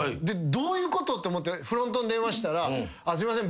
どういうことって思ってフロントに電話したらすいません